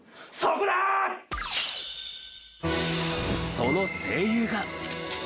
その声優が。